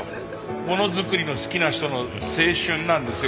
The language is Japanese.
ものづくりの好きな人の青春なんですよ